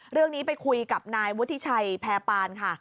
เรื่องนี้ไปคุยกับนายวุฒิชัยแพรปานค่ะ